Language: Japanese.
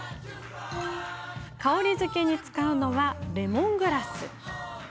香りづけに使うのはレモングラス。